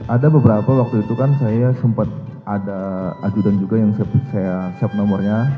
ada beberapa waktu itu kan saya sempat ada ajudan juga yang saya siap nomornya